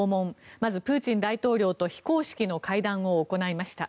まず、プーチン大統領と非公式の会談を行いました。